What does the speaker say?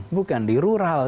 bukan di rural